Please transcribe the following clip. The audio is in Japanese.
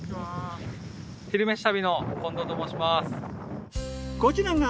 「昼めし旅」の近藤と申します。